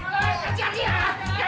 luan mandi diyor